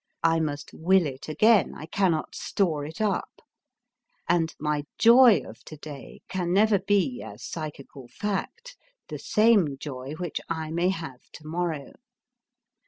I must will it again, I cannot store it up. And my joy of to day can never be as psychical fact the same joy which I may have to morrow.